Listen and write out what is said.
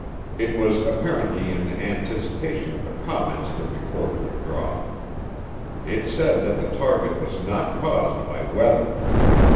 It was apparently in anticipation of the comments the report would draw. It said that the target was not caused by weather.